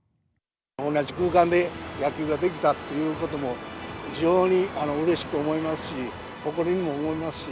同じ空間で野球ができたっていうことも、非常にうれしく思いますし、誇りにも思いますし、